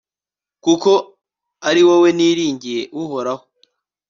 kuko ari wowe niringiye, uhoraho